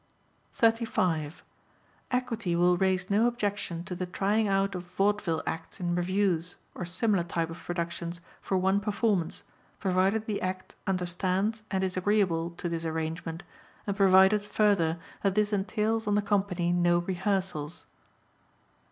35. Equity will raise no objection to the trying out of vaudeville acts in revues or similar type of productions for one performance, provided the act understands and is agreeable to this arrangement and provided further that this entails on the company no rehearsals.